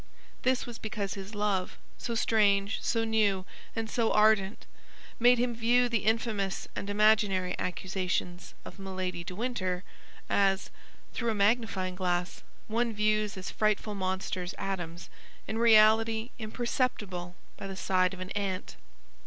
This was because his love, so strange, so new, and so ardent, made him view the infamous and imaginary accusations of Milady de Winter as, through a magnifying glass, one views as frightful monsters atoms in reality imperceptible by the side of an ant.